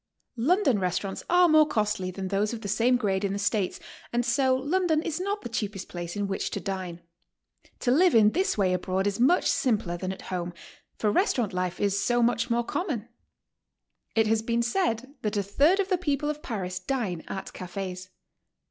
London restaurants are more costly than those of the same grade in the States, and so London is not the cheapest place in which to dine. To live in this way abroad is much simpler than at home, for restaurant life is so much ni'ore common. It has been said that a third of the people of Paris dine at cafes.